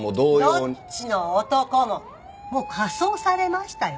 どっちの男ももう火葬されましたよ。